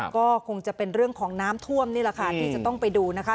ก็คงจะเป็นเรื่องของน้ำท่วมนี่แหละค่ะที่จะต้องไปดูนะคะ